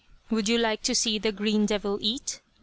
"Would you like to see the 'Green Devil' eat?"